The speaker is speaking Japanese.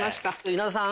稲田さん